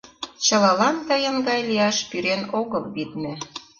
— Чылалан тыйын гай лияш пӱрен огыл, витне.